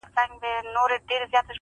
چي مي دري نیوي کلونه کشوله.!